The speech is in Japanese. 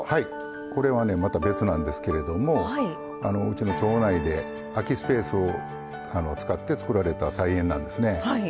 これはねまた別なんですけれどもうちの町内で空きスペースを使って作られた菜園なんですね。